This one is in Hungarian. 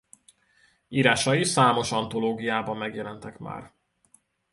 Írásai számos antológiában megjelentek már.